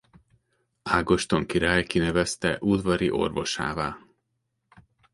Ágoston király kinevezte udvari orvosává.